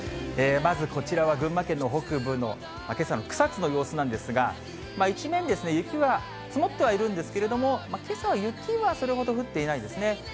まずこちらは、群馬県の北部のけさの草津の様子なんですが、一面雪は積もってはいるんですが、けさ、雪はそれほど降っていないですね。